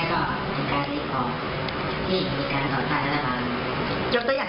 ก็จะเป็นการพบกันหรือว่าช่วงข้าร้าย